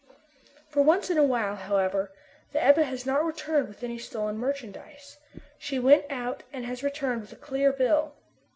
For once in a while, anyhow, the Ebba has not returned with any stolen merchandise. She went out and has returned with a clear bill.